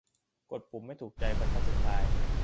กดปุ่มไม่ถูกใจบรรทัดสุดท้าย